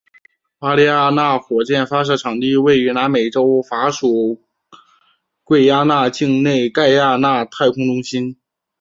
阿丽亚娜火箭发射场地位于南美洲法属圭亚那境内盖亚那太空中心。